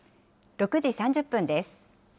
６時３０分です。